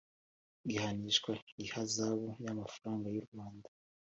gihanishwa ihazabu y amafaranga y u rwanda